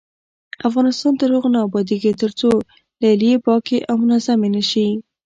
افغانستان تر هغو نه ابادیږي، ترڅو لیلیې پاکې او منظمې نشي.